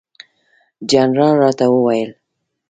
جنرال راته وویل.